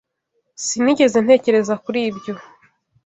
Sinigeze ntekereza kuri ibyo.